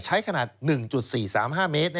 ขนาด๑๔๓๕เมตร